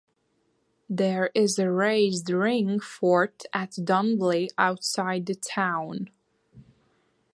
There is a raised ring fort at Dunwiley, outside the town.